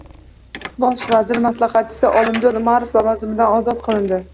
Bosh vazir maslahatchisi Olimjon Umarov lavozimidan ozod qilindi